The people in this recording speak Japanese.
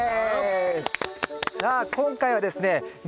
さあ今回はですね